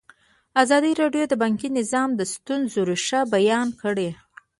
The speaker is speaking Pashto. ازادي راډیو د بانکي نظام د ستونزو رېښه بیان کړې.